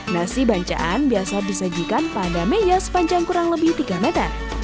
nasi bancaan biasa disajikan pada meja sepanjang kurang lebih tiga meter